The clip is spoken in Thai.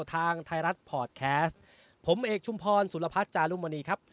ทางไทยรัฐพอร์ตแคสต์ผมเอกชุมพรสุรพัฒน์จารุมณีครับ